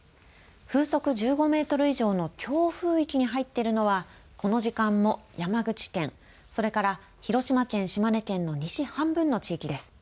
風速１５メートル以上の強風域に入っているのはこの時間も、山口県それから広島県、島根県の西半分の地域です。